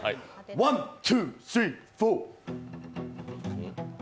ワンツースリーフォー。